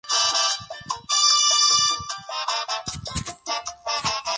El origen de este nombre es desconocido.